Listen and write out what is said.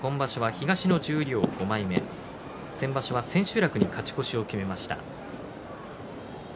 東の十両５枚目先場所は千秋楽に勝ち越しを決めました。